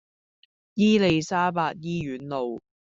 伊利沙伯醫院路